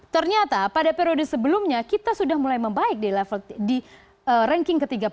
ternyata pada periode sebelumnya kita sudah mulai membaik di ranking ke tiga puluh